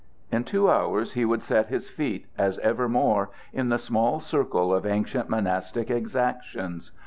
In two hours he would set his feet, as evermore, in the small circle of ancient monastic exactions.